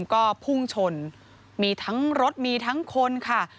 ก็พุ่งชนมีทั้งรถมีทั้งคนค่ะ